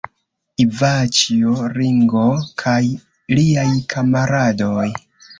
Ivaĉjo Ringo kaj liaj kamaradoj.